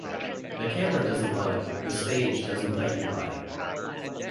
The camera doesn't lie, the stage doesn't let you lie.